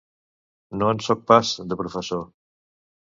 No en soc pas, de professor.